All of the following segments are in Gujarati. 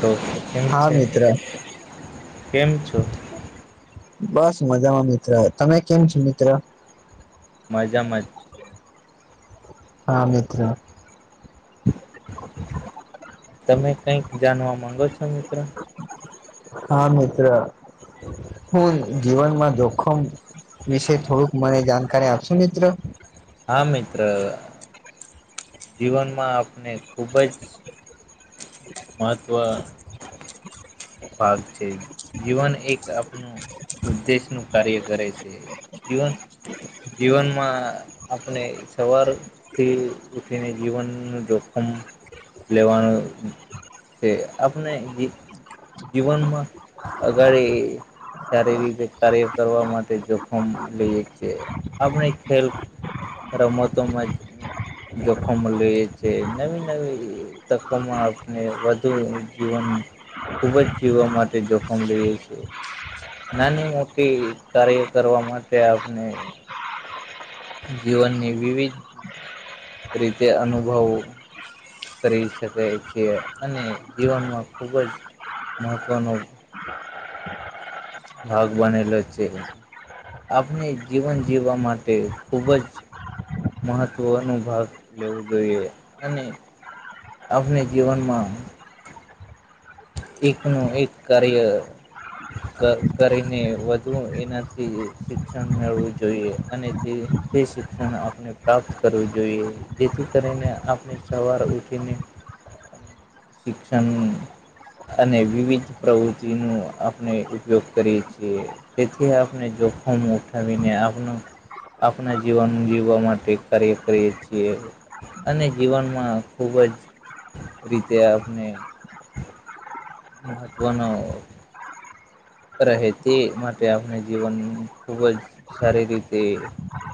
તો કેમ હા છે મિત્ર કેમ છો બસ મજામાં મિત્ર તમે કેમ છો મિત્ર મજામાં હા મિત્ર તમે કઈક જાણવા માંગો છો મિત્ર હા મિત્ર હું જીવનમાં જોખમ વિશે થોડુંક મને જાણકારી આપશું મિત્ર હા મિત્ર જીવનમાં આપને ખુબ જ મહત્ત્વ ભાગ છે જીવન એક આપનું ઉદ્દેશ નું કાર્ય કરે છે જીવન જીવનમાં આપણે સવાર થી ઉઠીને જીવનનું જોખમ લેવાનું છે આપણે જે જીવનમાં અગાળી ક્યારે એવી રીતે કાય કરવા માટે જોખમ લઈએ છે આપણે ખેલ રમતોમાં જોખમ લઈ છે નવી નવી તકોમાં આપણે વધુ જીવન ખૂબ જ જીવા માટે જોખમ લઈએ છેીએ નાની મોટી કાર્ય કરવા માટે આપણે જીવનની વિવિધ રીતે અનુભવો કરી શકે છે અને જીવનમાં ખૂબ જ મહત્ત્વનો ભાગ બનલો છે આપણે જીવન જીવવા માટે ખૂબ જ મહત્વનો ભાગ લેવો જોઈએ અને. આપને જીવનમાં એકનું એક કરિયર. કર કરીને વધુ એનાથી શિક્ષણ મેળવું જોઈએ અને થી. તે શિક્ષણ આપણે પ્રાપ્ત કરવું જોઈએ જેથી કરીને આપણે સવાર ઉઠીને શિક્ષણ. અને વિવિધ પ્રવૃતિ નું આપણે ઉપયોગ કરીએ છીએ. તેથી આપણે જોખમ ઉઠાવીને આપણુ. આપણા જીવન જીવવા માટે કાર્ય કરીએ છીએ. અને જીવનમાં ખુબ જ. તે આપને. મહત્વનો. રહે તે માટે આપણે જીવન ખુબ જ સારી રીતે.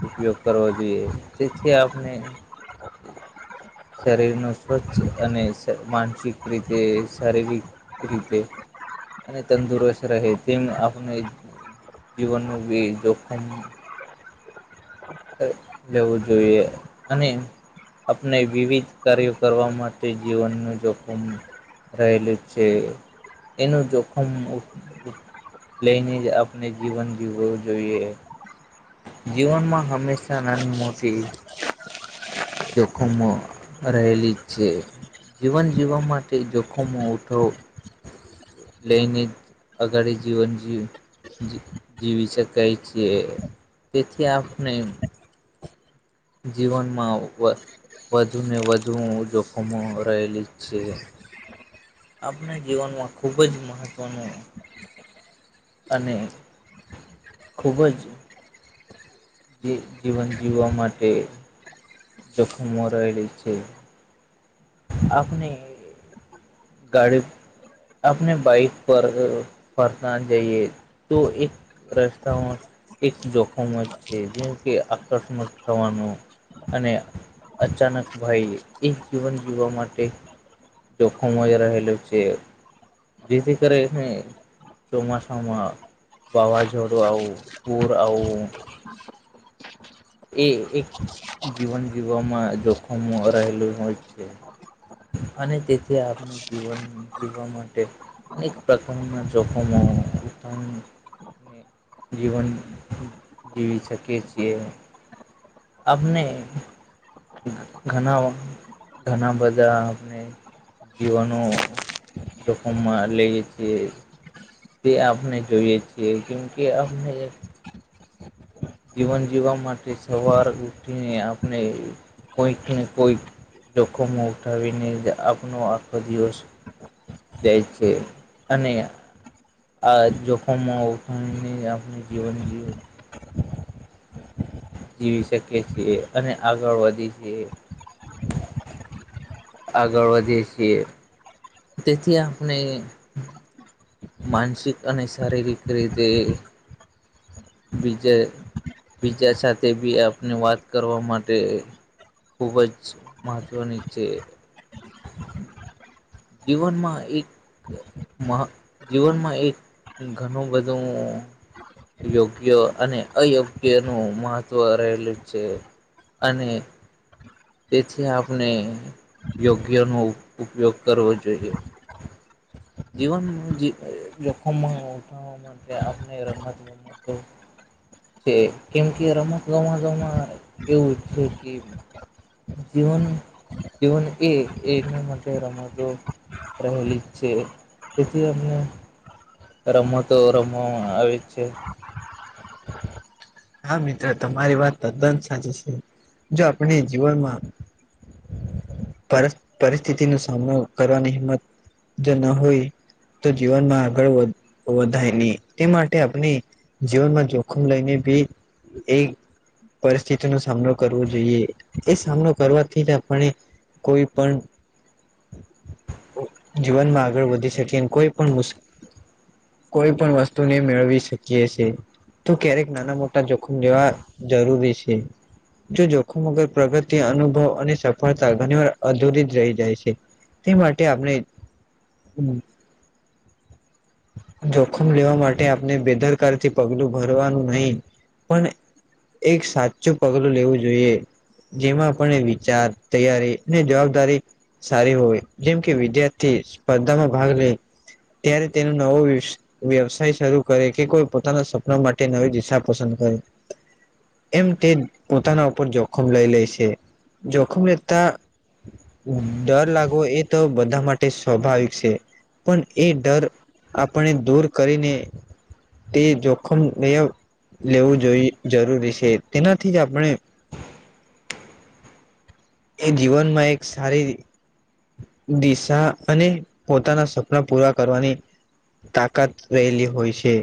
ઉપયોગ કરવો જોઈએ તેથી આપને. શરીર નુ સ્વચ્છ અને અ માનસિક રીતે શારીરિક રીતે અને તંદુરસ્ત રહે તેમ આપને જીવનનું બી જોખમ. લેવું જોઈએ અને એમ. આપણે વિવિધ કાર્યો કરવા માટે જીવનનું જોખમ. રહેલું છે એનું જોખમ. લઈને જ આપણે જીવન જીવવું જોઈએ. જીવનમાં હંમેશા નાન મોટી. જોખમો રહેલી છે. જીવન જીવવા માટે જોખમો ઉઠવો. લઈને અગાડી જીવન જીવ. જી જીવી શકાય છીએ તેથી આપણે જીવનમાં વઘ વધુને વધુ જોખમો રહેલી છે. આપણે જીવનમાં ખૂબ જ મહત્ત્વનું અને ખૂબ જ. જી જીવન જીવવા માટે. જોખમો રહેલી છે. આપને. ગાડી આપને બાઈક પર અ ફરતા જઈએ તો એક. રસ્તાઓ એક જોખમ જ છે જેમ કે આકસ્મક થવાનું અને અચાનક ભાઈ એક જીવન જીવવા માટે ખમ રહેલું છે જેથી કરી ને ચોમાસામા વાવાઝોડું આવું પુર આવું. એ એક જીવન જીવવામાં જોખમ રહેલું હોય છે. અને તેથી આપ જીવન જીવવા માટે. અ અનેક પ્રકારના જોખમો [inaudible] તા જીવન જીવી શકીએ છીએ. આપને ઘ ઘડાઓ ઘણા બધા આપને જીવાનુ જોખમમાં લઈએ છીએ. તે આપણે જોઈએ છીએ કેમકે આપને જીવન જીવવા માટે સવાર ઉઠીને આપણે કોઈક ને કોઈક જોખમો ઉઠાવીને એજ આપનો આખો દિવસ જાય છે અને આ જોખમો અમને આપણે જીવન જીવ. જીવી શકીએ છીએ અને આગળ વધીએ છીએ. આગળ વધી છીએ. તેથી આપને માનસિક અને શારીરિક રીતે બીજા બીજા સાથેબી આપને વાત કરવા માટે ખૂબ જ મહત્ત્વની છે. જીવનમાં એક મા જીવનમાં એક ઘણું બધું યોગ્ય અને અયોગ્ય નું મહત્વ રહેલું છે. અને તેથી આપણે યોગ્યનો ઉપયોગ કરવો જોઈએ. જીવન જોખમ ઉઠા ને રમત ગમતો છે કેમકે રમત ગમતો મા એવું છે કે જીવન જીવન એ એનું માટે રમજો પ્રહલી છે તેથી તમને રમતો રમવામાં આવે જ છે હા, મિત્ર તમારી વાત તદ્દંત સાચી છે, જો આપણે જીવનમાં પરિસ્થિતિ ન સામનો કરવાની હિંમત જો ન હોય, તો જીવનમાં આગળ વધાય નહી તે માટે આપણે જીવનમાં જોખમ લઈને બી એ પરિસ્થિતિ ન સામનો કરવો જોઈએ, એ સામનો કરવાથી જ આપણે કોઈ પણ જીવનમાં આગળ વધી શકે એમ કોઈ પણ મુશ કોઈ પણ વસ્તુને મેળવી શકીએ છે, તો ક્યારેક નાના મોટા જોખમ લેવા જરૂરી છે. જો જોખમગર પ્રગતિ અનુભવ અને સફળતા ઘણી વાર અધરી જ રહી જાય છે, તે માટે આપણે હમ્મ જોખમ લેવા માટે આપને બેદરકાર થી પગલું ભરવાનું નહિ, પણ એક સાચું પગલું લેવું જોઈએ, જેમાં આપણે વિચાર તૈયારી અને જવાબદારી સારી હોય, જેમ કે વિદ્યાર્થી સ્પર્ધામાં ભાગ લે ત્યારે તેનું નવો વ્યવસાય શરૂ કરે કે કોઈ પોતાના સપના માટે નવી દિશા પસંદ કરે, એમ તે પોતાના ઉપર જોખમ લઈ લે છે, જોખમ લેતા ડર લાગવો એ તો બધા માટે સ્વાભાવિક છે, પણ એ ડર આપણે દૂર કરીને, તે જોખમ લેવું જોઈ જરૂરી છે, તેનાથી જ આપણે એ જીવનમાં એક સારી દિશા અને પોતાના સપના પૂરા કરવાની તાકાત રહેલી હોય છે.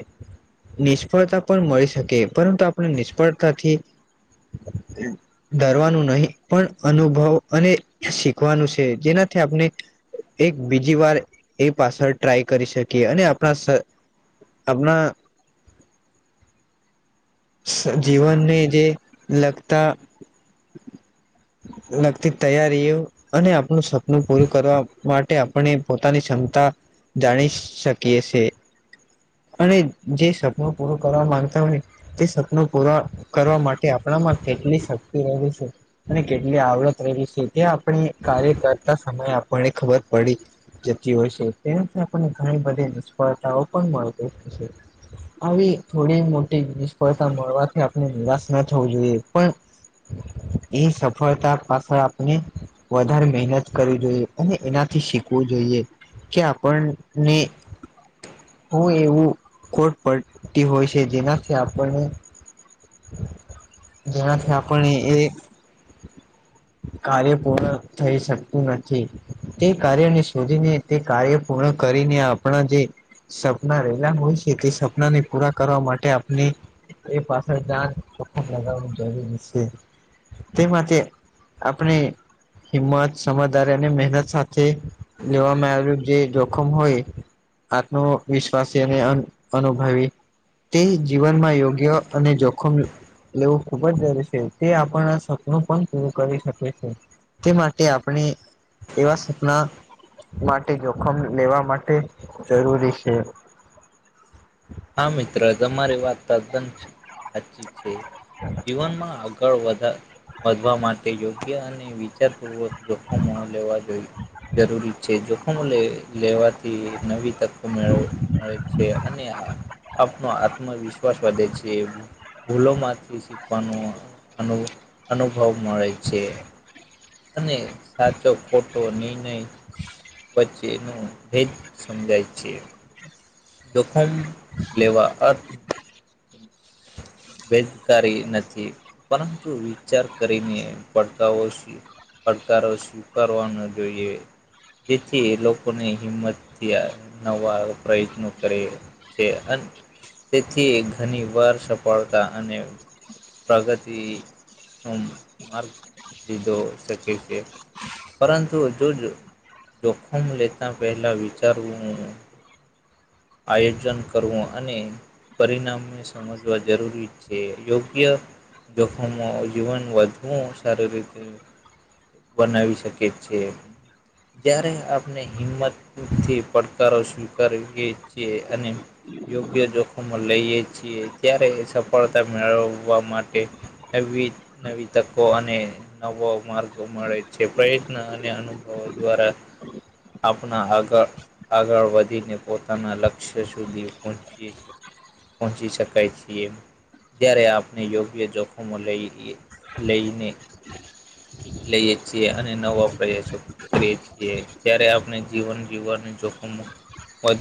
નિષ્ફળતા પણ મળી શકે પરંતુ આપણે નિષ્ફળતાથી [inaudible] ડરવાનું નહી પણ અનુભવ અને શીખવાનું છે, જેનાથી આપણે એક બીજી વાર એ પાછળ ટ્રાય કરી શકીએ, અને આપણા આપણા જીવનને જે લગતા [inaudible] લક્તી તૈયારી અને આપણું સપનું પૂરું કરવા માટે આપણે પોતાની ક્ષમતા જાણી શકીએ છે, અને જે સપનું પૂરું કરવા માંગતા હોયને તે સપનું પૂરા કરવા માટે આપણામાં કેટલી શક્તિ એ છે. અને કેટલી આવડત રહેલી છે ત્યા આપણે કાર્ય કરતા સમય આપણને ખબર પડી જતી હોય છે તેથી આપણને ઘણી બધી નિષ્ફળતાઓ પણ મળતી હોય છે. આવી થોડી મોટી નિષ્ફળતા મળવાથી આપણે નિરાશ ના થવું જોઈએ પણ એ સફળતા પાછળ આપને વધારે મહેનત કરવી જોઈએ અને એનાથી શીખવું જોઈએ. કે આપણને હું એવું ખોટ પડતી હોય છે જેનાથી કે આપને જેનાથી આપણે એ [inaudible] કાર્ય પૂર્ણ થઈ શકતું નથી તે કાર્યને શોધીને તે કાર્ય પૂર્ણ કરીને આપણા જે સપના રહેેલા હોય છે તે સપના ને પૂરા કરવા માટે આપણે પાછળ જાત લગાવ [unintelligible] તે માટે આપણે હિંમત સમજદારી અને મહેનત સાથે લેવામાં આવેલું જે જોખમ હોય આત્મવિશ્વાસી અને અનુભવી તે જીવનમાં યોગ્ય અને જોખમ લેવું ખુબ જ જરૂરી છે તે આપણા સપનું પણ પૂરું કરી શકે છે. તે માટે આપણે એવા સપના માટે જોખમ લેવા માટે જરૂરી છે. હા મિત્ર તમારી વાત તદ્દન સાચી છે જીવનમાં આગળ વધ વધવા માટે યોગ્ય અને વિચારપૂર્વક જોખમો લેવા જોઈએ. જરૂરી છે જોખમ લે લેવાથી નવી મળે છે અને આપનો આત્મવિશ્વાસ વધે છે ભૂલોમાંથી શીખવાનું અનુભવ મળે છે. અને સાચો ખોટો નિર્ણય વચ્ચે નો ભેદ સમજાય છે. જોખમ લેવા [unintelligible] ભેદકારી નથી પરંતુ વિચાર કરીને પડકારો [unintelligible] પડકારો સ્વીકારવાનો જોઈએ. જેથી લોકોને હિંમતથી નવા પ્રયત્નો કરે છે તેથી ઘણી વાર સફળતા અને પ્રગતિનો [unintelligible] લીધો શકે છે પરંતુ જો જોખમ લેતાં પહેલાં વિચારવું આયોજન કરવું અને પરિણામને સમજવા જરૂરી છે યોગ્ય જોખમો જીવન વધવું સારી રીતે બનાવી શકે છે. જ્યારે આપણે હિંમતથી પડકારો સ્વીકારવીએ અને યોગ્ય જોખમો લઈએ છીએ ત્યારે એ સફળતા મેળવવા માટે નવી નવી તકો અને નવો માર્ગો મળે છે પ્રયત્ન અને અનુભવો દ્વારા આપણા આગળ આગળ વધીને પોતાના લક્ષ્ય સુધી પહોંચીએ છીએ. પહોંચી શકાય છીએ. ત્યારે આપને યોગ્ય જોખમો લઈ લઈને લઈએ છીએ અને ન વાપરીએ છો કરીએ છીએ ત્યારે આપણે જીવન જીવવા જોખમ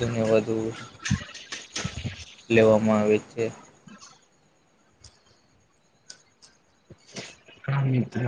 વધુને વધુ લેવામાં આવે છે. હા મિત્ર.